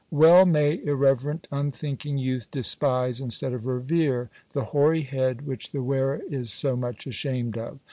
Well may irreverent, unthinking youth despise, instead of revere, the hoary head which the wearer is so much ashamed of.